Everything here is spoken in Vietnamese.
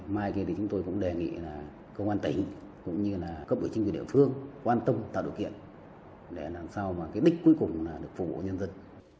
mai kia thì chúng tôi cũng đề nghị là công an tỉnh cũng như là cấp ủy chính quyền địa phương quan tâm tạo điều kiện để làm sao mà cái đích cuối cùng là được phục vụ nhân dân